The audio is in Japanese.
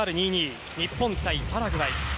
日本対パラグアイ。